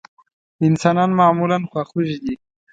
انسانان معمولا خواخوږي دي.